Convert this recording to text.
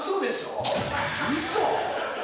うそ。